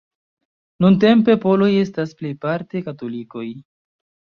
Nuntempe Poloj estas plejparte katolikoj.